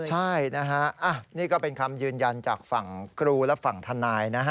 ใช่นะฮะนี่ก็เป็นคำยืนยันจากฝั่งครูและฝั่งทนายนะฮะ